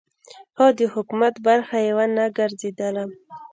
خو د حکومت برخه یې ونه ګرځېدلم.